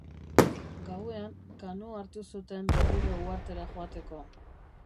Gauean, kanoa hartu zuten berriro uhartera joateko.